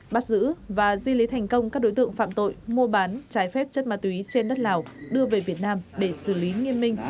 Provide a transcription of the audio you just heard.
bắt giữ và di lý thành công các đối tượng phạm tội mua bán trái phép chất ma túy trên đất lào đưa về việt nam để xử lý nghiêm minh